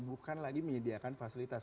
bukan lagi menyediakan fasilitas